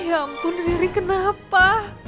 ya ampun riri kenapa